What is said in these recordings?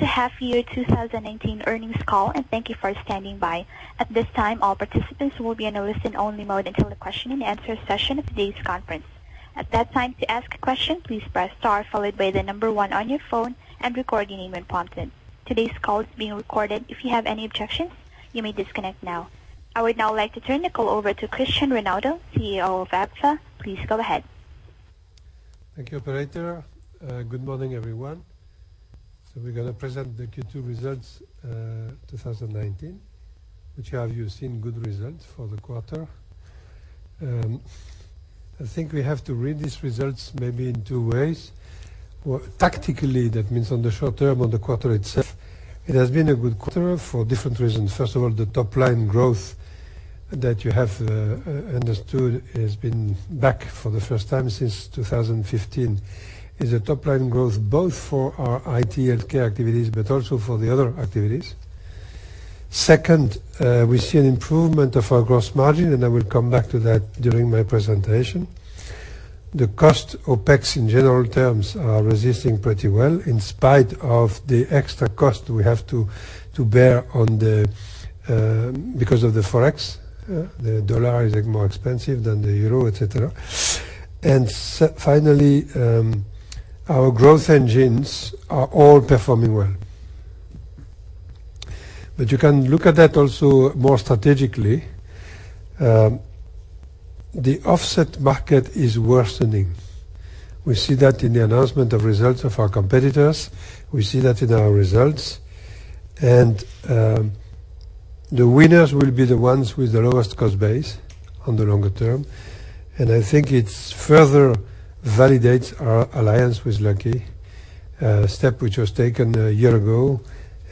Welcome to half year 2019 earnings call. Thank you for standing by. At this time, all participants will be in a listen-only mode until the question-and-answer session of today's conference. At that time, to ask a question, please press star followed by the number 1 on your phone and record your name when prompted. Today's call is being recorded. If you have any objections, you may disconnect now. I would now like to turn the call over to Christian Reinaudo, CEO of Agfa. Please go ahead. Thank you, operator. Good morning, everyone. We're going to present the Q2 results, 2019, which have you seen good results for the quarter. I think we have to read these results maybe in two ways. Tactically, that means on the short term, on the quarter itself, it has been a good quarter for different reasons. First of all, the top-line growth that you have understood has been back for the first time since 2015, is a top-line growth both for our IT/HC activities but also for the other activities. Second, we see an improvement of our gross margin, and I will come back to that during my presentation. The cost, OPEX, in general terms, are resisting pretty well in spite of the extra cost we have to bear because of the Forex. The dollar is more expensive than the euro, et cetera. Finally, our growth engines are all performing well. You can look at that also more strategically. The offset market is worsening. We see that in the announcement of results of our competitors. We see that in our results. The winners will be the ones with the lowest cost base on the longer term. I think it further validates our alliance with Lucky, a step which was taken a year ago,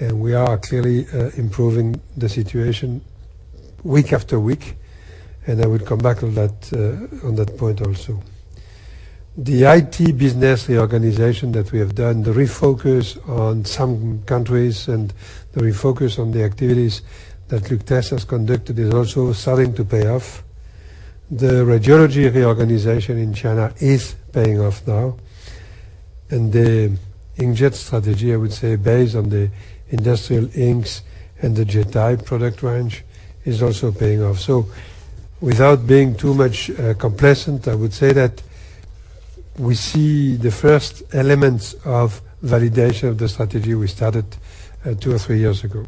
and we are clearly improving the situation week after week. I will come back on that point also. The IT business, the organization that we have done, the refocus on some countries and the refocus on the activities that Luc Thijs has conducted is also starting to pay off. The radiology reorganization in China is paying off now. The inkjet strategy, I would say, based on the industrial inks and the Jeti product range, is also paying off. Without being too much complacent, I would say that we see the first elements of validation of the strategy we started two or three years ago.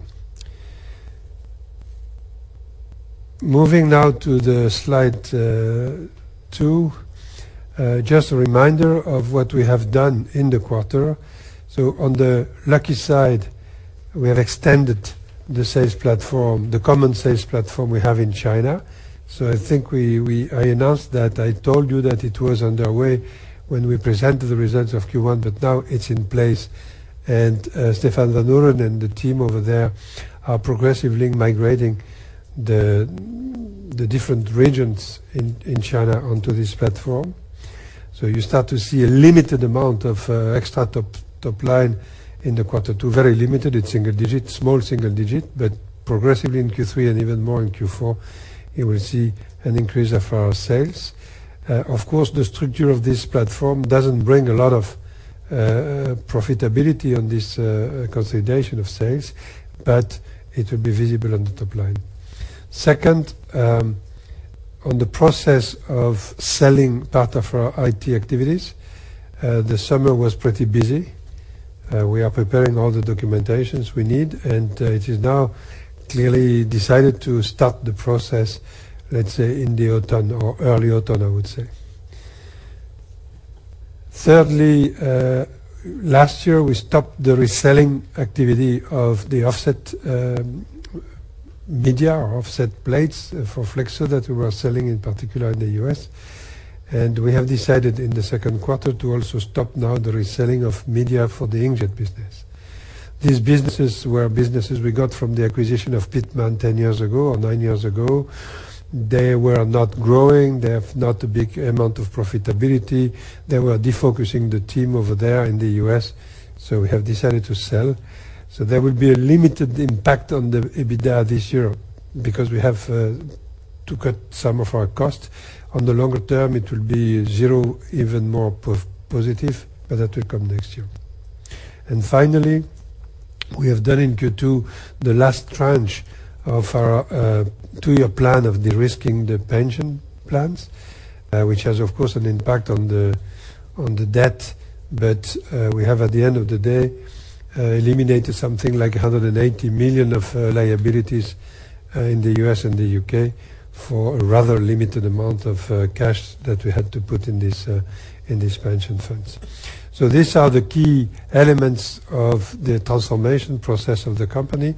Moving now to the slide two, just a reminder of what we have done in the quarter. On the Lucky side, we have extended the common sales platform we have in China. I think I announced that. I told you that it was underway when we presented the results of Q1, but now it's in place. Stefaan Vanhooren and the team over there are progressively migrating the different regions in China onto this platform. You start to see a limited amount of extra top line in the quarter two, very limited, it's small single digit, but progressively in Q3 and even more in Q4, you will see an increase of our sales. Of course, the structure of this platform doesn't bring a lot of profitability on this consolidation of sales, but it will be visible on the top line. Second, on the process of selling data for our IT activities, the summer was pretty busy. We are preparing all the documentations we need, and it is now clearly decided to start the process, let's say, in the autumn or early autumn, I would say. Thirdly, last year, we stopped the reselling activity of the offset media or offset plates for flexo that we were selling in particular in the U.S. We have decided in the second quarter to also stop now the reselling of media for the inkjet business. These businesses were businesses we got from the acquisition of Pitman 10 years ago or nine years ago. They were not growing, they have not a big amount of profitability. They were defocusing the team over there in the U.S. We have decided to sell. There will be a limited impact on the EBITDA this year because we have to cut some of our costs. On the longer term, it will be zero, even more positive, but that will come next year. Finally, we have done in Q2 the last tranche of our two-year plan of de-risking the pension plans, which has, of course, an impact on the debt. We have, at the end of the day, eliminated something like 180 million of liabilities in the U.S. and the U.K. for a rather limited amount of cash that we had to put in these pension funds. These are the key elements of the transformation process of the company.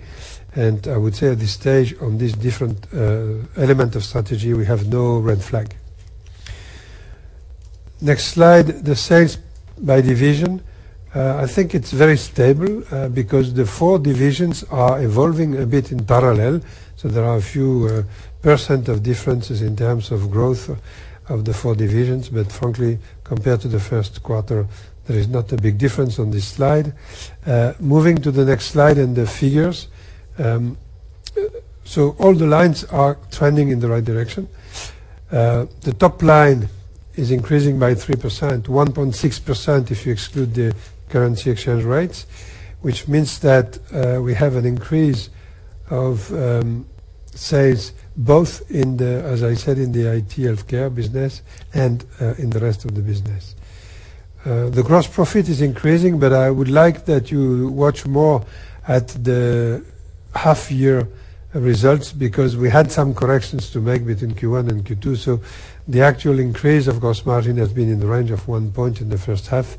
I would say at this stage, on this different element of strategy, we have no red flag. Next slide, the sales by division. I think it's very stable because the four divisions are evolving a bit in parallel. There are a few % of differences in terms of growth of the four divisions. Frankly, compared to the first quarter, there is not a big difference on this slide. Moving to the next slide and the figures. All the lines are trending in the right direction. The top line is increasing by 3%, 1.6% if you exclude the currency exchange rates, which means that we have an increase of sales both in the, as I said, HealthCare IT business and in the rest of the business. The gross profit is increasing, but I would like that you watch more at the half-year results because we had some corrections to make between Q1 and Q2. So the actual increase of gross margin has been in the range of one point in the first half.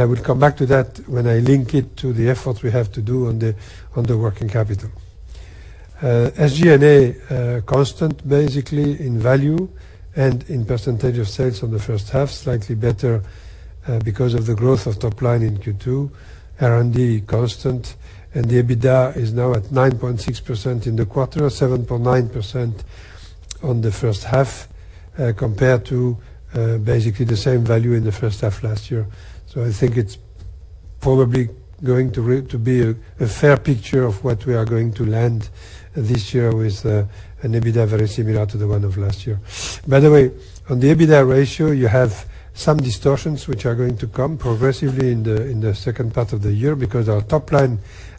I will come back to that when I link it to the effort we have to do on the working capital. SG&A, constant basically in value and in percentage of sales on the first half, slightly better because of the growth of top line in Q2, R&D constant, and the EBITDA is now at 9.6% in the quarter, 7.9% on the first half compared to basically the same value in the first half last year. I think it's probably going to be a fair picture of what we are going to land this year with an EBITDA very similar to the one of last year. By the way, on the EBITDA ratio, you have some distortions which are going to come progressively in the second part of the year because our top line,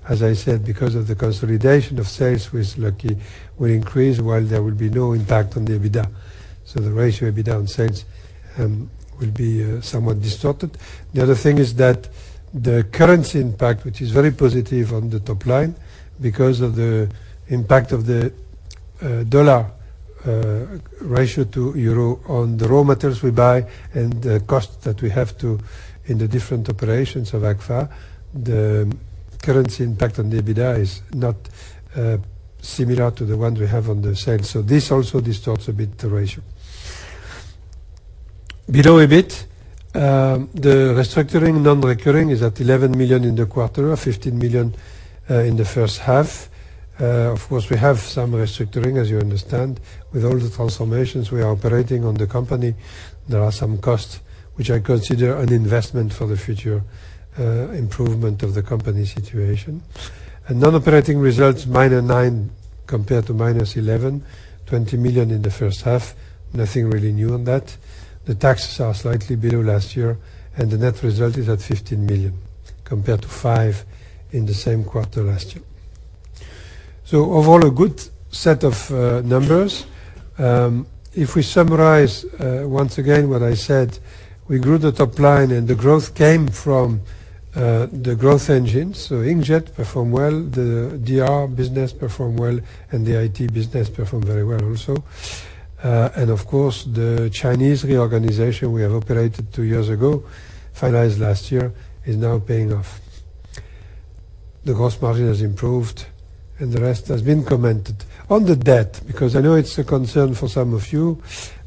as I said, because of the consolidation of sales with Lucky will increase while there will be no impact on the EBITDA. The ratio EBITDA on sales will be somewhat distorted. The other thing is that the currency impact, which is very positive on the top line because of the impact of the dollar ratio to euro on the raw materials we buy and the cost that we have in the different operations of Agfa. The currency impact on the EBITDA is not similar to the one we have on the sales. This also distorts a bit the ratio. Below EBIT, the restructuring non-recurring is at 11 million in the quarter, 15 million in the first half. Of course, we have some restructuring, as you understand, with all the transformations we are operating on the company. There are some costs which I consider an investment for the future improvement of the company situation. Non-operating results, -9 compared to -11, 20 million in the first half. Nothing really new on that. The taxes are slightly below last year, and the net result is at 15 million compared to 5 million in the same quarter last year. Overall, a good set of numbers. If we summarize, once again, what I said, we grew the top line and the growth came from the growth engine. Inkjet performed well, the DR business performed well, and the IT business performed very well also. Of course, the Chinese reorganization we have operated two years ago, finalized last year, is now paying off. The gross margin has improved and the rest has been commented. On the debt, because I know it's a concern for some of you.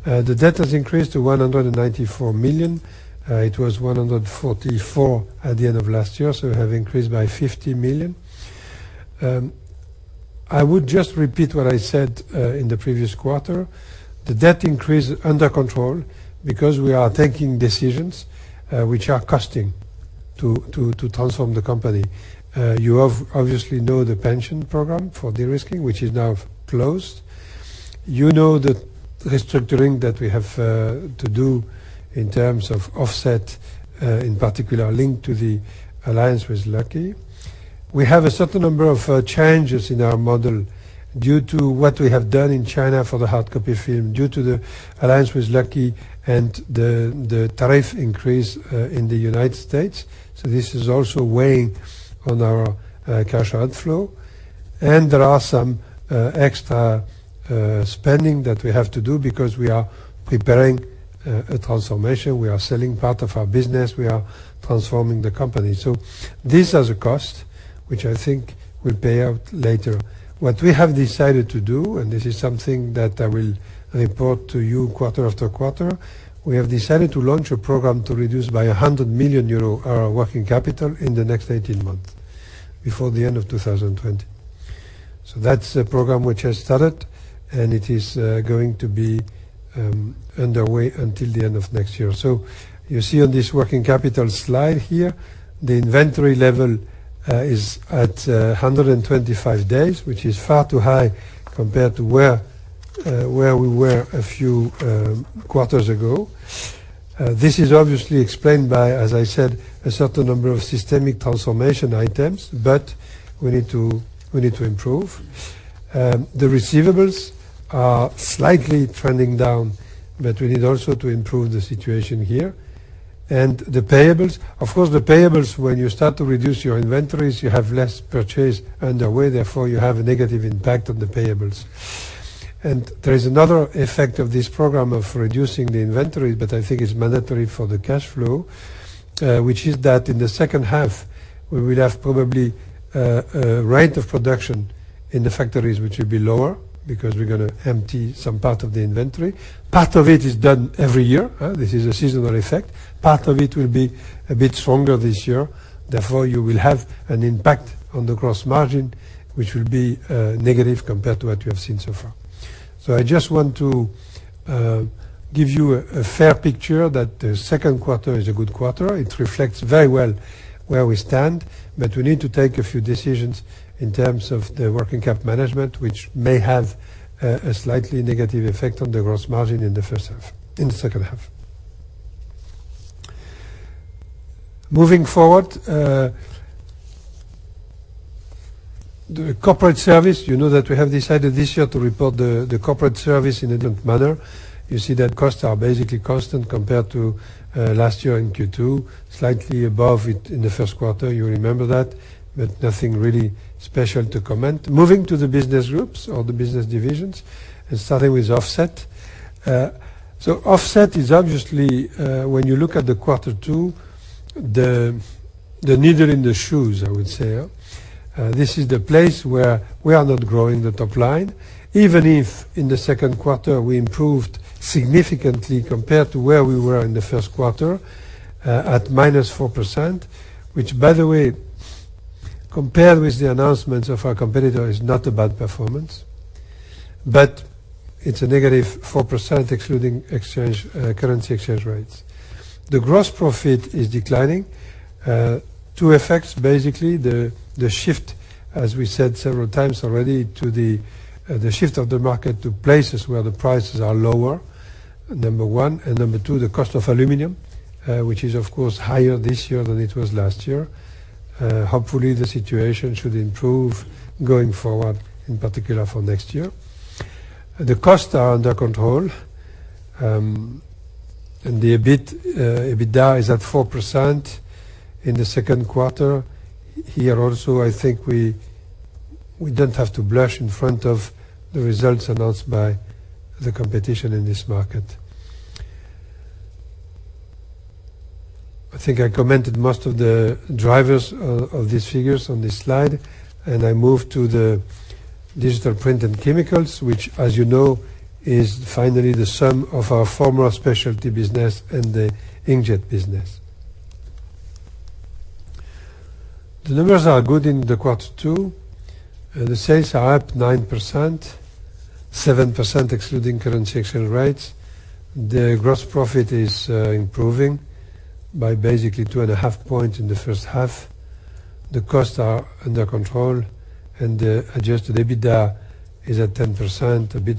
The debt has increased to 194 million. It was 144 million at the end of last year, so we have increased by 50 million. I would just repeat what I said in the previous quarter. The debt increase under control because we are taking decisions which are costing to transform the company. You obviously know the pension program for de-risking, which is now closed. You know the restructuring that we have to do in terms of Offset, in particular linked to the alliance with Lucky. We have a certain number of changes in our model due to what we have done in China for the hardcopy film, due to the alliance with Lucky and the tariff increase in the U.S. This is also weighing on our cash outflow. There are some extra spending that we have to do because we are preparing a transformation. We are selling part of our business. We are transforming the company. These are the costs which I think will pay out later. What we have decided to do, this is something that I will report to you quarter after quarter, we have decided to launch a program to reduce by 100 million euro our working capital in the next 18 months, before the end of 2020. That's a program which has started, it is going to be underway until the end of next year. You see on this working capital slide here, the inventory level is at 125 days, which is far too high compared to where we were a few quarters ago. This is obviously explained by, as I said, a certain number of systemic transformation items, but we need to improve. The receivables are slightly trending down, but we need also to improve the situation here. The payables, of course, the payables, when you start to reduce your inventories, you have less purchase underway, therefore you have a negative impact on the payables. There is another effect of this program of reducing the inventory that I think is mandatory for the cash flow, which is that in the second half, we will have probably a rate of production in the factories which will be lower because we're going to empty some part of the inventory. Part of it is done every year. This is a seasonal effect. Part of it will be a bit stronger this year. Therefore, you will have an impact on the gross margin, which will be negative compared to what you have seen so far. I just want to give you a fair picture that the second quarter is a good quarter. It reflects very well where we stand, but we need to take a few decisions in terms of the working cap management, which may have a slightly negative effect on the gross margin in the second half. The corporate service, you know that we have decided this year to report the corporate service in a different manner. You see that costs are basically constant compared to last year in Q2, slightly above it in the first quarter, you remember that, but nothing really special to comment. Moving to the business groups or the business divisions and starting with Offset. Offset is obviously, when you look at the quarter two, the needle in the shoes, I would say. This is the place where we are not growing the top line, even if in the second quarter we improved significantly compared to where we were in the first quarter, at -4%, which by the way, compared with the announcements of our competitor is not a bad performance. It's a -4% excluding currency exchange rates. The gross profit is declining. Two effects, basically, the shift, as we said several times already, to the shift of the market to places where the prices are lower, number one. Number two, the cost of aluminum, which is of course higher this year than it was last year. Hopefully, the situation should improve going forward, in particular for next year. The costs are under control. The EBITDA is at 4% in the second quarter. Here also, I think we don't have to blush in front of the results announced by the competition in this market. I think I commented most of the drivers of these figures on this slide, and I move to the Digital Print & Chemicals, which as you know, is finally the sum of our former specialty business and the inkjet business. The numbers are good in the Q2. The sales are up 9%, 7% excluding currency exchange rates. The gross profit is improving by basically 2.5 points in the first half. The costs are under control, and the adjusted EBITDA is a bit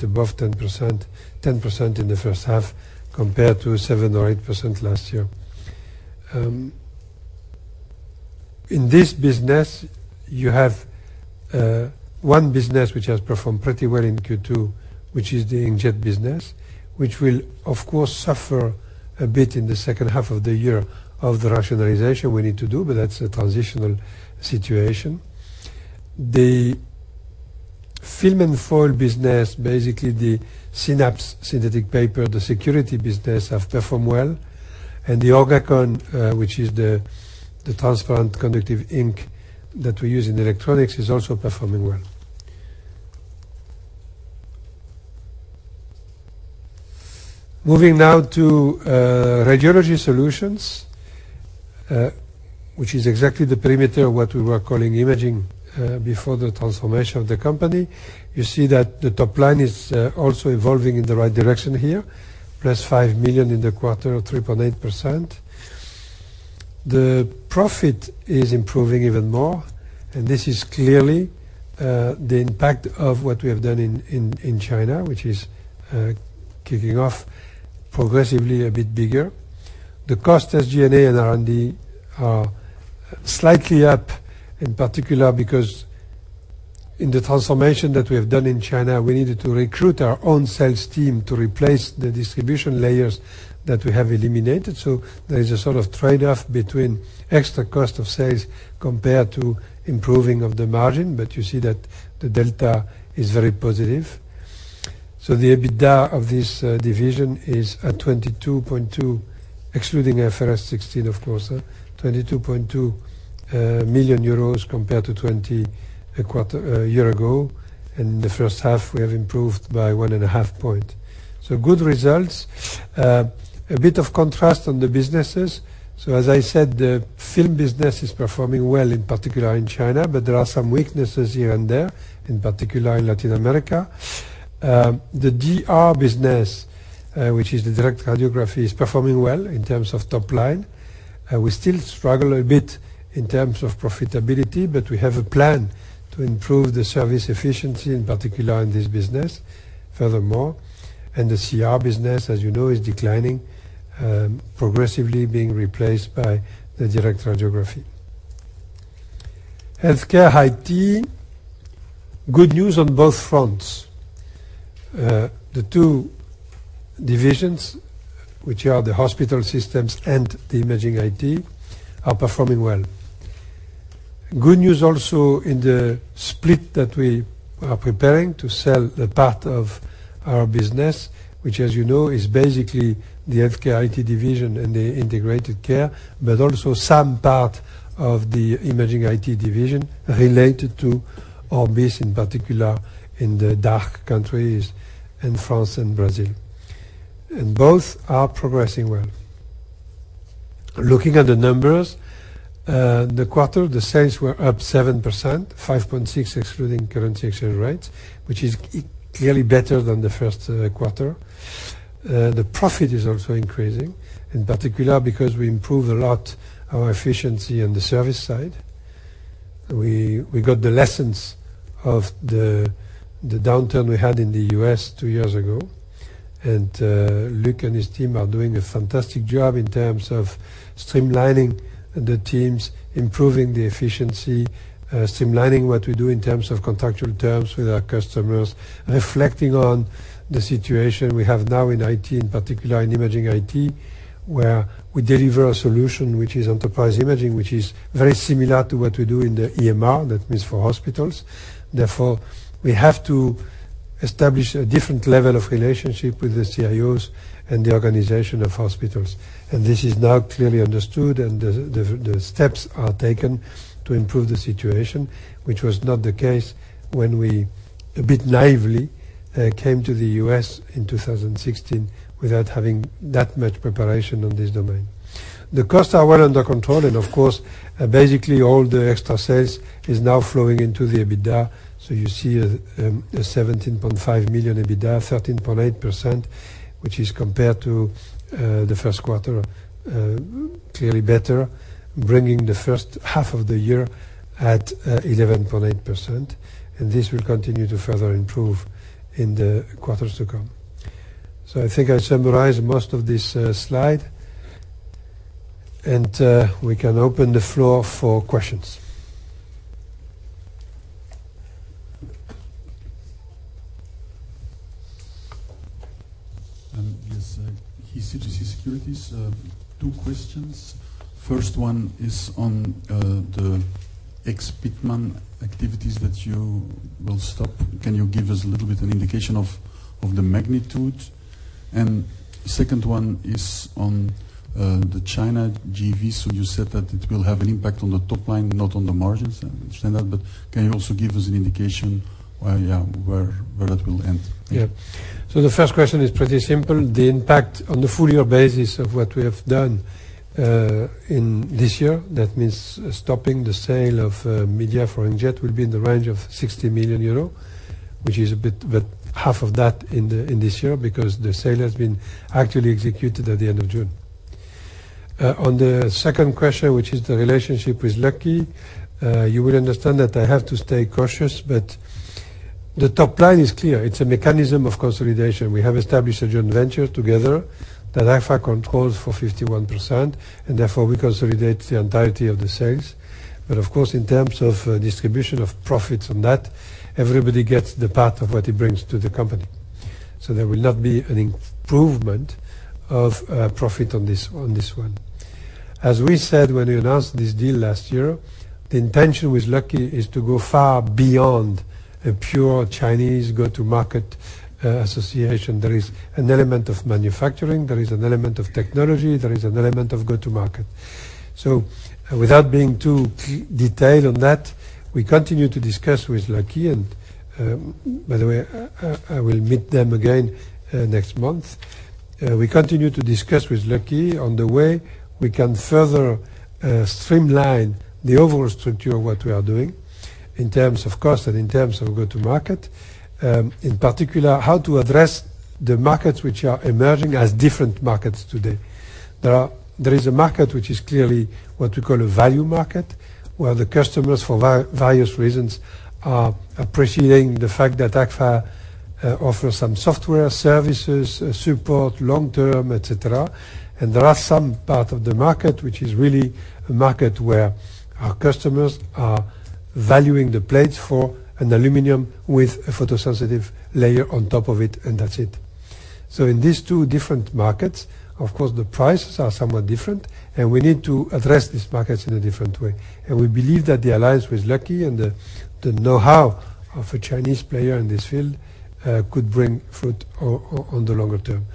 above 10%, 10% in the first half, compared to 7% or 8% last year. In this business, you have one business which has performed pretty well in Q2, which is the inkjet business, which will, of course, suffer a bit in the second half of the year of the rationalization we need to do, but that's a transitional situation. The film and foil business, basically the Synaps synthetic paper, the security business, have performed well. The Orgacon, which is the transparent conductive ink that we use in electronics, is also performing well. Moving now to Radiology Solutions, which is exactly the perimeter of what we were calling imaging, before the transformation of the company. You see that the top line is also evolving in the right direction here, plus 5 million in the quarter, 3.8%. The profit is improving even more, this is clearly the impact of what we have done in China, which is kicking off progressively a bit bigger. The cost as G&A and R&D are slightly up, in particular because in the transformation that we have done in China, we needed to recruit our own sales team to replace the distribution layers that we have eliminated. There is a sort of trade-off between extra cost of sales compared to improving of the margin, you see that the delta is very positive. The EBITDA of this division is at 22.2 million, excluding IFRS 16, of course, compared to 20 a year ago. In the first half, we have improved by one and a half point. Good results. A bit of contrast on the businesses. As I said, the film business is performing well, in particular in China, there are some weaknesses here and there, in particular in Latin America. The DR business, which is the direct radiography, is performing well in terms of top line. We still struggle a bit in terms of profitability, but we have a plan to improve the service efficiency, in particular in this business furthermore. The CR business, as you know, is declining, progressively being replaced by the direct radiography. HealthCare IT, good news on both fronts. The two divisions, which are the hospital systems and the imaging IT, are performing well. Good news also in the split that we are preparing to sell a part of our business, which as you know, is basically the HealthCare IT division and the integrated care, but also some part of the imaging IT division related to ORBIS, in particular in the DACH countries and France and Brazil. Both are progressing well. Looking at the numbers, the quarter, the sales were up 7%, 5.6% excluding currency exchange rates, which is clearly better than the first quarter. The profit is also increasing, in particular because we improved a lot our efficiency on the service side. We got the lessons of the downturn we had in the U.S. two years ago. Luc and his team are doing a fantastic job in terms of streamlining the teams, improving the efficiency, streamlining what we do in terms of contractual terms with our customers, reflecting on the situation we have now in IT, in particular in imaging IT, where we deliver a solution, which is Enterprise Imaging, which is very similar to what we do in the EMR. That means for hospitals. Therefore, we have to establish a different level of relationship with the CIOs and the organization of hospitals. This is now clearly understood, and the steps are taken to improve the situation, which was not the case when we, a bit naively, came to the U.S. in 2016 without having that much preparation in this domain. The costs are well under control and of course, basically all the extra sales is now flowing into the EBITDA. You see a 17.5 million EBITDA, 13.8%, which is compared to the first quarter, clearly better, bringing the first half of the year at 11.8%. This will continue to further improve in the quarters to come. I think I summarized most of this slide. We can open the floor for questions. Yes. KBC Securities. Two questions. First one is on the ex Pitman activities that you will stop. Can you give us a little bit an indication of the magnitude? Second one is on the China JVs. You said that it will have an impact on the top line, not on the margins. I understand that, but can you also give us an indication where that will end? Yeah. The first question is pretty simple. The impact on the full year basis of what we have done in this year, that means stopping the sale of media for Inkjet will be in the range of 60 million euro, which is a bit half of that in this year because the sale has been actually executed at the end of June. On the second question, which is the relationship with Lucky, you will understand that I have to stay cautious, the top line is clear. It's a mechanism of consolidation. We have established a joint venture together that Agfa controls for 51%, and therefore we consolidate the entirety of the sales. Of course, in terms of distribution of profits on that, everybody gets the part of what he brings to the company. There will not be an improvement of profit on this one. As we said when we announced this deal last year, the intention with Lucky is to go far beyond a pure Chinese go-to-market association. There is an element of manufacturing, there is an element of technology, there is an element of go-to-market. Without being too detailed on that, we continue to discuss with Lucky and, by the way, I will meet them again next month. We continue to discuss with Lucky on the way we can further streamline the overall structure of what we are doing in terms of cost and in terms of go-to-market. In particular, how to address the markets which are emerging as different markets today. There is a market which is clearly what we call a value market, where the customers, for various reasons, are appreciating the fact that Agfa offers some software services, support, long-term, et cetera. There are some part of the market which is really a market where our customers are valuing the plates for an aluminum with a photosensitive layer on top of it, and that's it. In these two different markets, of course, the prices are somewhat different, and we need to address these markets in a different way. We believe that the alliance with Lucky and the know-how of a Chinese player in this field could bring fruit on the longer term.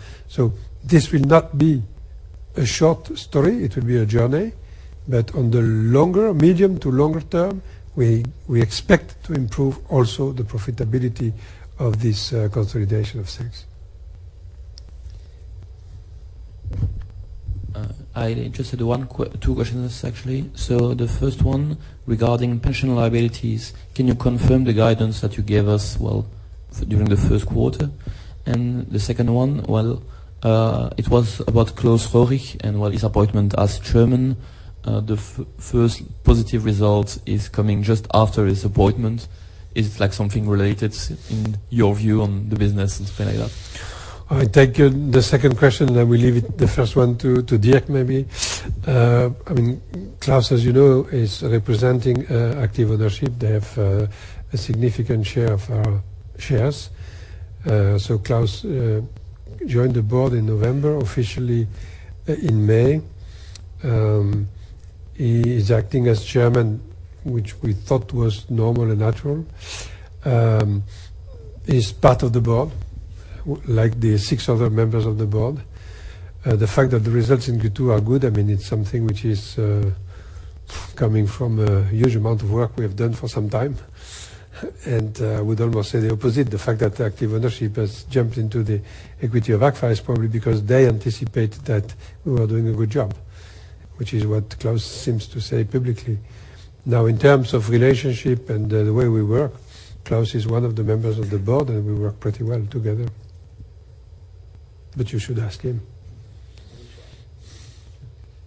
This will not be a short story. It will be a journey. On the medium to longer term, we expect to improve also the profitability of this consolidation of sales. I am interested one two questions actually. The first one regarding pension liabilities. Can you confirm the guidance that you gave us well during the first quarter? The second one, well, it was about Klaus Röhrig and, well, his appointment as chairman. The first positive result is coming just after his appointment. Is it like something related in your view on the business and something like that? I take the second question, then we leave it the first one to Dirk, maybe. Klaus, as you know, is representing Active Ownership. They have a significant share of our shares. Klaus joined the board in November, officially in May. He is acting as chairman, which we thought was normal and natural. He is part of the board, like the six other members of the board. The fact that the results in Q2 are good, it is something which is coming from a huge amount of work we have done for some time. I would almost say the opposite. The fact that the Active Ownership has jumped into the equity of Agfa is probably because they anticipate that we are doing a good job. Which is what Klaus seems to say publicly. In terms of relationship and the way we work, Klaus is one of the members of the board, and we work pretty well together. You should ask him.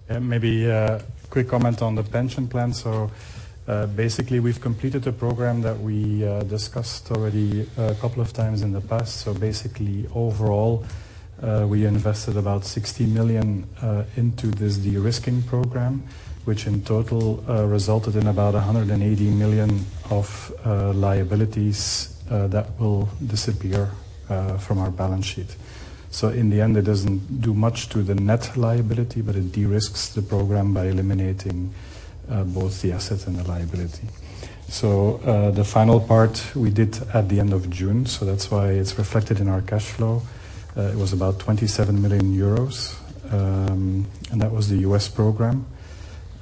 Maybe a quick comment on the pension plan. Basically, we've completed a program that we discussed already a couple of times in the past. Basically, overall, we invested about 60 million into this de-risking program, which in total resulted in about 180 million of liabilities that will disappear from our balance sheet. In the end, it doesn't do much to the net liability, but it de-risks the program by eliminating both the asset and the liability. The final part we did at the end of June, so that's why it's reflected in our cash flow. It was about 27 million euros, and that was the U.S. program.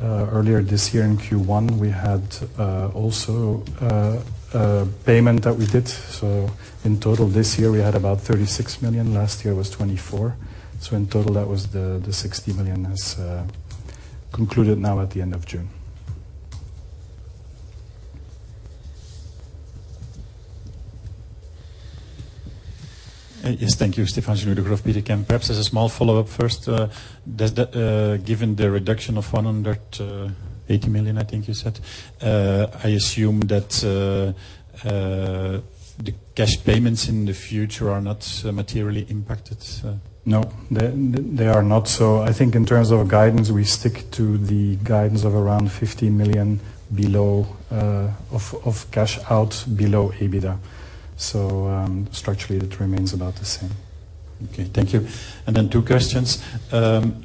Earlier this year in Q1, we had also a payment that we did. In total this year, we had about 36 million. Last year was 24. In total, that was the 60 million as concluded now at the end of June. Yes. Thank you. Stephane Genud, Degroof Petercam. Perhaps as a small follow-up first, given the reduction of 180 million, I think you said, I assume that the cash payments in the future are not materially impacted? No, they are not. I think in terms of guidance, we stick to the guidance of around 15 million below of cash out below EBITDA. Structurally, it remains about the same. Okay, thank you. Then two questions. First,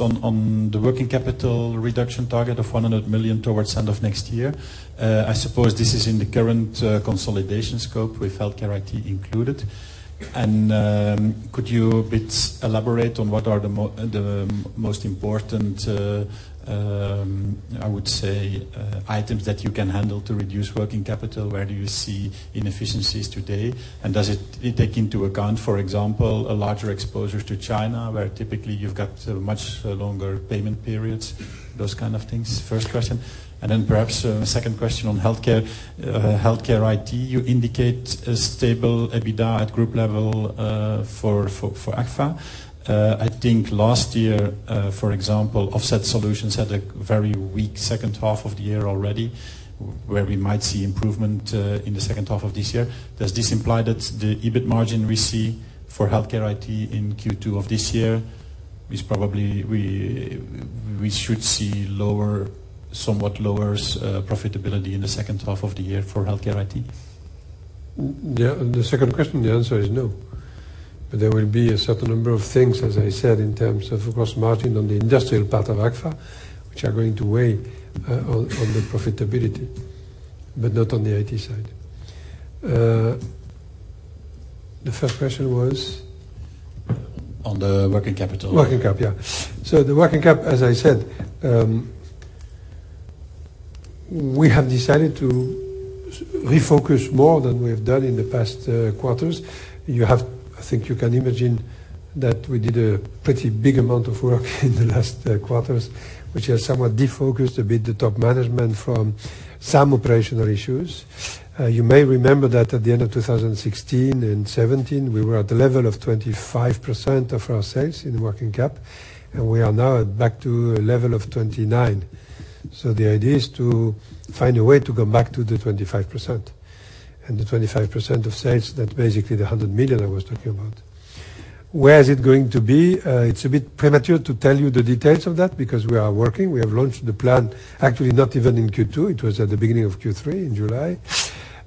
on the working capital reduction target of 100 million towards end of next year. I suppose this is in the current consolidation scope with HealthCare IT included. Could you a bit elaborate on what are the most important, I would say, items that you can handle to reduce working capital? Where do you see inefficiencies today? Does it take into account, for example, a larger exposure to China, where typically you've got much longer payment periods? Those kind of things. First question, then perhaps second question on HealthCare IT. You indicate a stable EBITDA at group level for Agfa. I think last year, for example, Offset Solutions had a very weak second half of the year already, where we might see improvement in the second half of this year. Does this imply that the EBIT margin we see for HealthCare IT in Q2 of this year, we should see somewhat lower profitability in the second half of the year for HealthCare IT? Yeah, the second question, the answer is no. There will be a certain number of things, as I said, in terms of gross margin on the industrial part of Agfa, which are going to weigh on the profitability, but not on the IT side. The first question was? On the working capital. Working cap, yeah. The working cap, as I said, we have decided to refocus more than we have done in the past quarters. I think you can imagine that we did a pretty big amount of work in the last quarters, which has somewhat defocused a bit the top management from some operational issues. You may remember that at the end of 2016 and 2017, we were at the level of 25% of our sales in working cap, and we are now back to a level of 29%. The idea is to find a way to go back to the 25%, and the 25% of sales, that's basically the 100 million I was talking about. Where is it going to be? It's a bit premature to tell you the details of that, because we are working. We have launched the plan, actually not even in Q2. It was at the beginning of Q3 in July.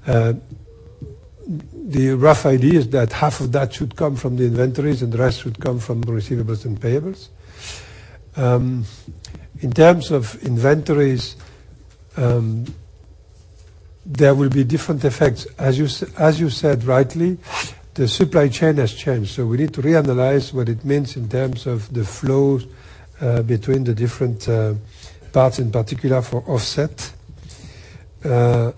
The rough idea is that half of that should come from the inventories and the rest should come from the receivables and payables. In terms of inventories, there will be different effects. As you said rightly, the supply chain has changed, so we need to reanalyze what it means in terms of the flows between the different parts, in particular for offset. There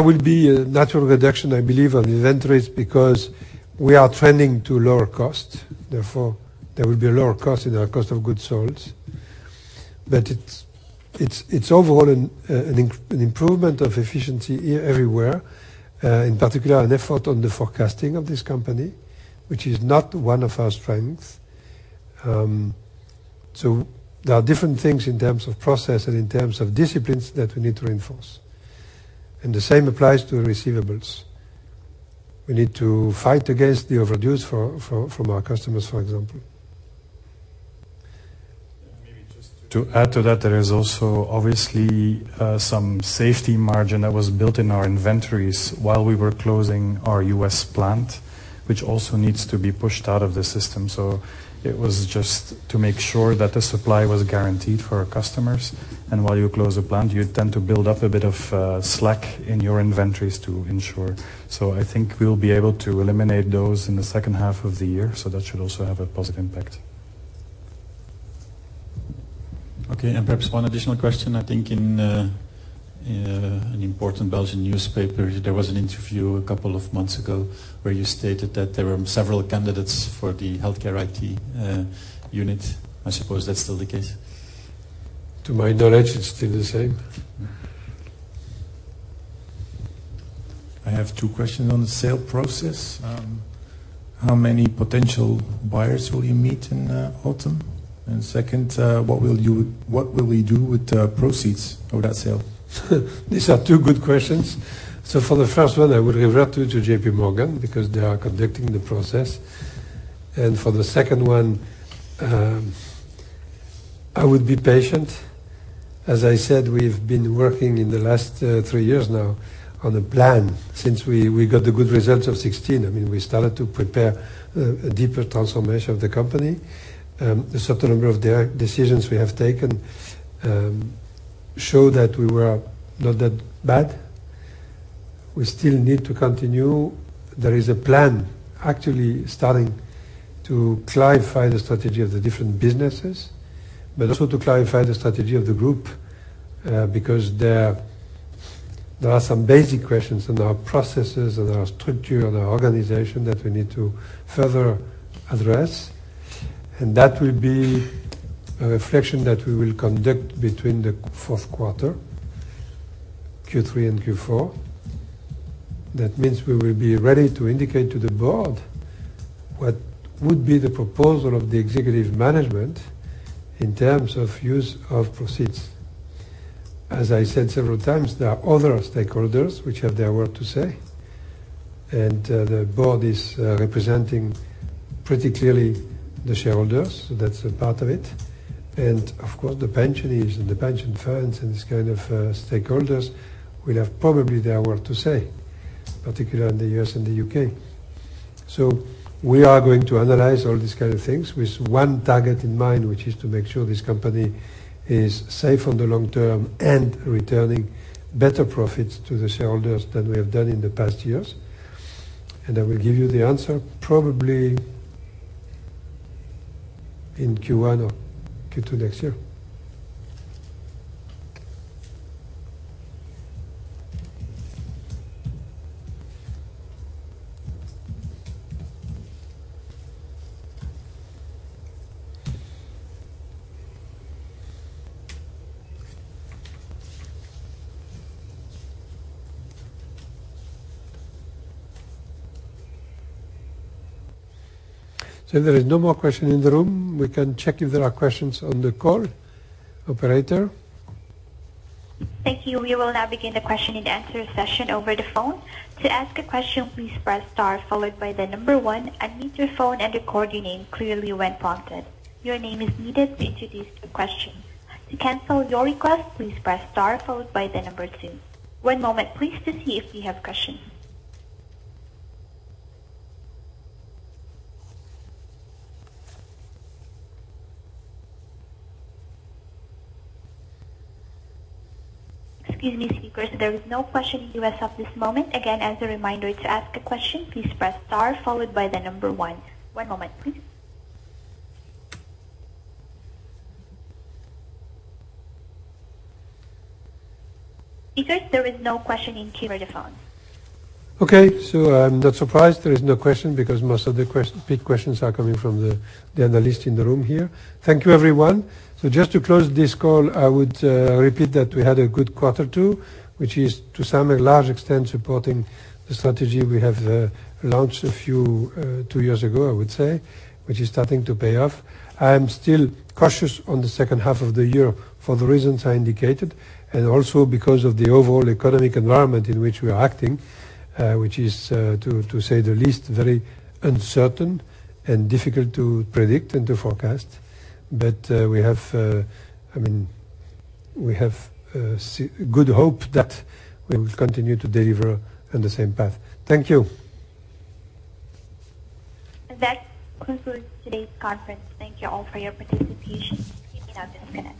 will be a natural reduction, I believe, on inventories because we are trending to lower cost. Therefore, there will be a lower cost in our cost of goods sold. But it's overall an improvement of efficiency everywhere. In particular, an effort on the forecasting of this company, which is not one of our strengths. So there are different things in terms of process and in terms of disciplines that we need to reinforce. The same applies to receivables. We need to fight against the overdues from our customers, for example. Maybe just to add to that, there is also obviously some safety margin that was built in our inventories while we were closing our U.S. plant, which also needs to be pushed out of the system. It was just to make sure that the supply was guaranteed for our customers. While you close a plant, you tend to build up a bit of slack in your inventories to ensure. I think we'll be able to eliminate those in the second half of the year, so that should also have a positive impact. Okay, perhaps one additional question. I think in an important Belgian newspaper, there was an interview a couple of months ago where you stated that there were several candidates for the HealthCare IT unit. I suppose that's still the case. To my knowledge, it's still the same. I have two questions on the sale process. How many potential buyers will you meet in autumn? Second, what will we do with the proceeds of that sale? These are two good questions. For the first one, I would refer to JPMorgan because they are conducting the process. For the second one, I would be patient. As I said, we've been working in the last three years now on a plan since we got the good results of 2016. We started to prepare a deeper transformation of the company. A certain number of decisions we have taken show that we were not that bad. We still need to continue. There is a plan actually starting to clarify the strategy of the different businesses, but also to clarify the strategy of the group, because there are some basic questions on our processes and our structure and our organization that we need to further address. That will be a reflection that we will conduct between the fourth quarter, Q3 and Q4. That means we will be ready to indicate to the board what would be the proposal of the executive management in terms of use of proceeds. As I said several times, there are other stakeholders which have their word to say, and the board is representing pretty clearly the shareholders. That's a part of it. Of course, the pensionies and the pension funds and this kind of stakeholders will have probably their word to say, particularly in the U.S. and the U.K. We are going to analyze all these kind of things with one target in mind, which is to make sure this company is safe on the long term and returning better profits to the shareholders than we have done in the past years. I will give you the answer probably in Q1 or Q2 next year. If there is no more question in the room, we can check if there are questions on the call. Operator? Thank you. We will now begin the question and answer session over the phone. To ask a question, please press star one, unmute your phone and record your name clearly when prompted. Your name is needed to introduce your question. To cancel your request, please press star two. One moment please to see if we have questions. Excuse me, speakers, there is no question as of this moment. Again, as a reminder, to ask a question, please press star one. One moment, please. Speakers, there is no question in queue for the phone. Okay. I'm not surprised there is no question because most of the big questions are coming from the analysts in the room here. Thank you everyone. Just to close this call, I would repeat that we had a good quarter two, which is to some large extent supporting the strategy we have launched two years ago, I would say, which is starting to pay off. I am still cautious on the second half of the year for the reasons I indicated and also because of the overall economic environment in which we are acting, which is, to say the least, very uncertain and difficult to predict and to forecast. We have good hope that we will continue to deliver on the same path. Thank you. That concludes today's conference. Thank you all for your participation. You may disconnect.